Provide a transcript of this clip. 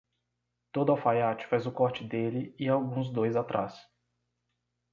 Todo alfaiate faz o corte dele e alguns dois atrás.